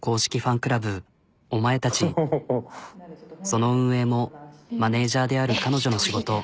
その運営もマネジャーである彼女の仕事。